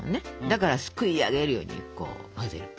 だからすくいあげるようにこう混ぜる。